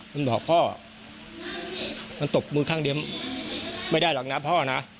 มันบอกพ่อมันตบมือข้างเดียวไม่ได้หรอกนะพ่อนะ